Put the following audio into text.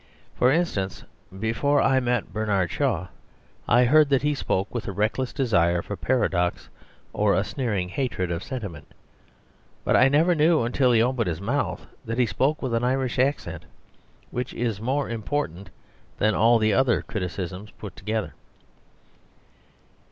For instance, before I met Bernard Shaw I heard that he spoke with a reckless desire for paradox or a sneering hatred of sentiment; but I never knew till he opened his mouth that he spoke with an Irish accent, which is more important than all the other criticisms put together.